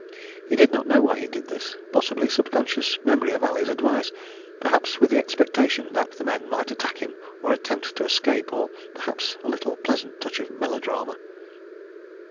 He did not know why he did this. Possibly subconscious memory of Ali's advice, perhaps with the expectation that the men might attack him or attempt to escape; or perhaps a little pleasant touch of melodrama.